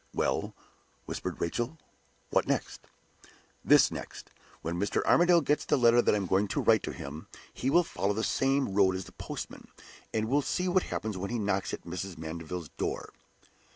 "Well," whispered Rachel "what next?" "This, next. When Mr. Armadale gets the letter that I am going to write to him, he will follow the same road as the postman; and we'll see what happens when he knocks at Mrs. Mandeville's door."